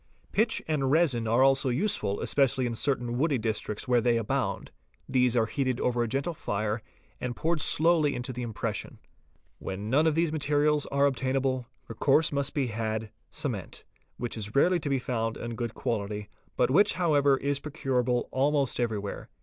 _ Pitch and resin are also useful, especially in certain woody districts Where they abound. These are heated over a gentle fire and poured slowly into the impression "®, 550 OTHER IMPRESSIONS When none of these materials are obtainable, recourse must be had to cement, which is rarely to be found in good quality but which however is procurable almost everywhere.